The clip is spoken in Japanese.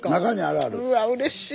うわうれしい！